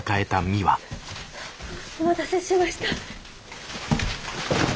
お待たせしました。